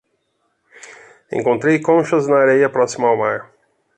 Encontrei conchas na areia próxima ao mar